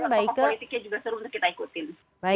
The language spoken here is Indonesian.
tokoh politiknya juga seru untuk kita ikutin